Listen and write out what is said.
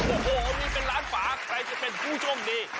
โอ้โหมีเป็นล้านฝาใครจะเป็นผู้โชคดี